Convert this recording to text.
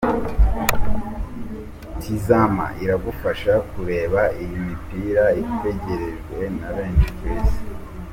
Tizama iragufasha kureba iyi mipira itegerejwe na benshi ku isi.